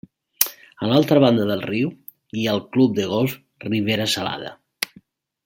A l'altra banda del riu hi ha el Club de Golf Ribera Salada.